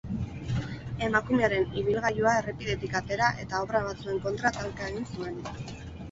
Emakumearen ibilgailua errepidetik atera eta obra batzuen kontra talka egin zuen.